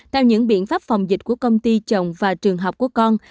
theo những biện pháp phòng dịch của công ty chồng và trường học của con